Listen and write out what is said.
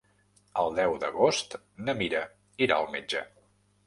El deu d'agost na Mira irà al metge.